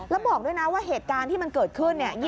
แล้วบอกด้วยนะว่าเหตุการณ์ที่มันเกิดขึ้นเนี่ย